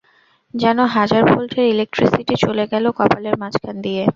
যেন হাজার ভোল্টের ইলেকট্রিসিটি চলে গেল কপালের মাঝখান দিয়ে।